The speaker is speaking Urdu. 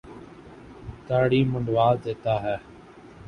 داڑھی منڈوا دیتا ہے۔